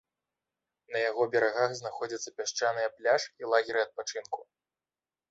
На яго берагах знаходзяцца пясчаныя пляж і лагеры адпачынку.